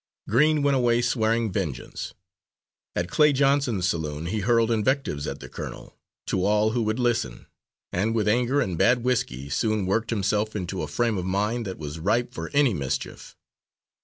Green went away swearing vengeance. At Clay Johnson's saloon he hurled invectives at the colonel, to all who would listen, and with anger and bad whiskey, soon worked himself into a frame of mind that was ripe for any mischief.